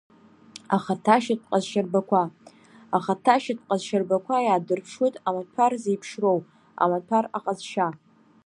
Ахаҭашьатә ҟазшьарбақәа ахаҭашьатә ҟазшьарбақәа иаадырԥшуеит амаҭәар зеиԥшроу, амаҭәар аҟазшьа.